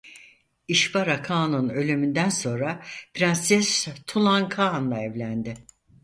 İşbara Kağan'ın ölümünden sonra prenses Tulan Kağan'la evlendi.